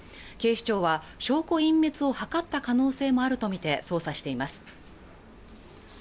警視庁は証拠隠滅を図った可能性もあるとみて捜査しています